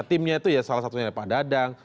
timnya itu ya salah satunya pak dadang